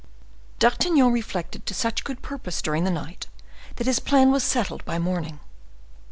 D'Artagnan reflected to such good purpose during the night that his plan was settled by morning.